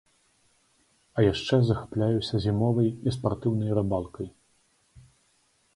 А яшчэ захапляюся зімовай і спартыўнай рыбалкай.